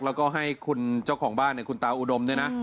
แล้วก็ให้คุณเจ้าของบ้านธือคุณตาอูดมด้วยนะ